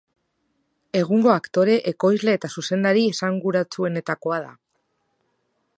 Egungo aktore, ekoizle eta zuzendari esanguratsuenetakoa da.